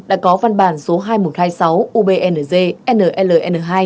đã có văn bản số hai nghìn một trăm hai mươi sáu ubnz nln hai